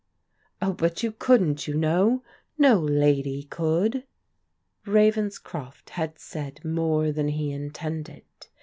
" Oh, but you couldn't, you know. No lady could." Ravenscroft had said more than he intended.